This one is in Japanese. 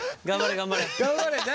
頑張れ頑張れ。